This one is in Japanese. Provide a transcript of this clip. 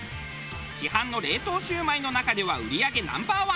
市販の冷凍シュウマイの中では売り上げＮｏ．１。